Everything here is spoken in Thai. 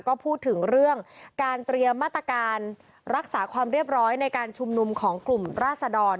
ก็พูดถึงเรื่องการเตรียมมาตรการรักษาความเรียบร้อยในการชุมนุมของกลุ่มราศดร